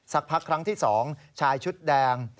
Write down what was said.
สักพักครั้งที่๒ชายชุดแดง